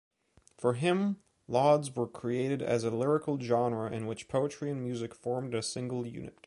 For him, laudes were created as a lyrical genre in which poetry and music formed a single unit.